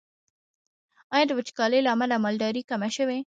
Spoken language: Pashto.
آیا د وچکالۍ له امله مالداري کمه شوې؟